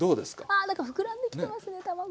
あなんか膨らんできてますね卵が。